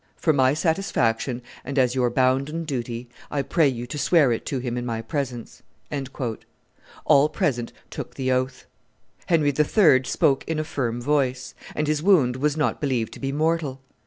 For my satisfaction and as your bounden duty, I pray you to swear it to him in my presence." All present took the oath. Henry III. spoke in a firm voice; and his wound was not believed to be mortal.